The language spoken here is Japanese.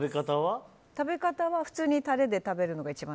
食べ方は普通にタレで食べるのがからしは？